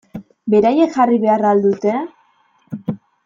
Beraiek jarri behar al dute?